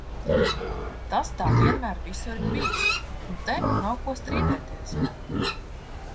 Tas tā vienmēr visur ir bijis, un te nav ko strīdēties.